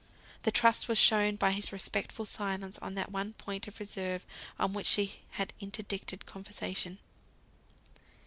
The trust was shown by his respectful silence on that one point of reserve on which she had interdicted conversation.